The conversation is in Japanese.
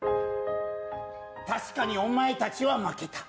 確かにお前たちは負けた。